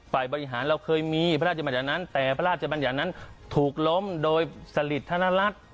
ฝ่ายบริหารเราเคยมีพระราชบัญญัตินั้นแต่พระราชบัญญัตินั้นถูกล้มโดยสลิดธนรัฐ